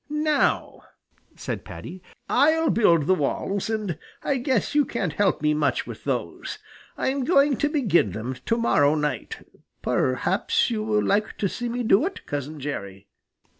"Now," said Paddy, "I'll build the walls, and I guess you can't help me much with those. I'm going to begin them to morrow night. Perhaps you will like to see me do it, Cousin Jerry."